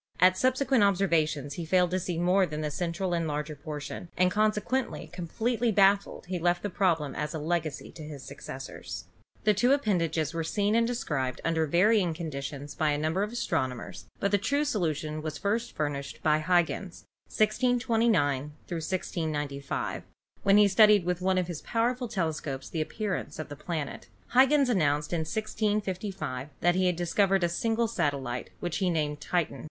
At subsequent observations he failed to see more than the central and larger portion, and, consequently, completely baffled, he left the problem as a legacy to his successors. The two appendages were seen and described under varying conditions by a number of astronomers, but the true solution was first furnished by Huygens (1629 1695), when he studied with one of his powerful telescopes the appearance of the planet. Huygens announced in 1655 that he had discovered a single satellite, which he named Titan.